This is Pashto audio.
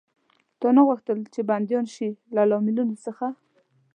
تا نه غوښتل، چې بندیان شي؟ له لاملونو څخه.